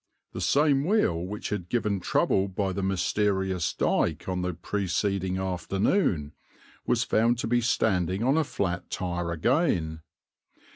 The same wheel which had given trouble by the mysterious dyke on the preceding afternoon was found to be standing on a flat tire again.